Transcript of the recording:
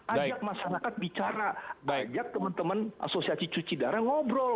ajak masyarakat bicara ajak teman teman asosiasi cuci darah ngobrol